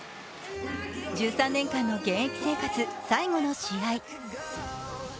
１３年間の現役生活最後の試合。